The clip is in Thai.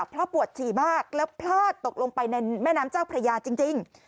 เพราะปวดฉี่มากแล้วพลาดตกลงไปในแม่น้ำเจ้าพระยาจริง